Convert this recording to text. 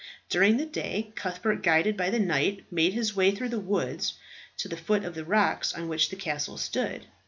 During the day, Cuthbert, guided by the knight, made his way through the woods to the foot of the rocks on which the castle stood.